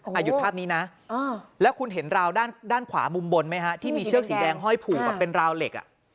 หยุดภาพนี้นะแล้วคุณเห็นราวด้านขวามุมบนไหมฮะที่มีเชือกสีแดงห้อยผูกเป็นราวเหล็ก